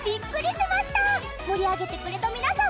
盛り上げてくれた皆さん